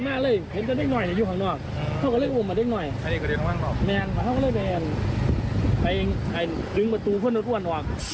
นั่งมันหาคู่ทางในมันออกมาไม่ได้เพราะรถมันผันทาบ้ายครับ